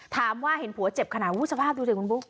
ถามว่าเห็นผัวเจ็บขนาดสภาพดูสิคุณบุ๊ค